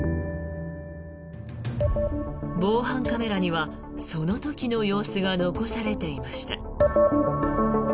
防犯カメラにはその時の様子が残されていました。